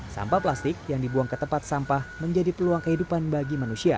sampah plastik yang dibuang ke tempat sampah menjadi peluang kehidupan bagi manusia